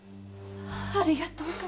ありがとう頭！